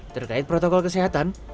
terkait protokol kesehatan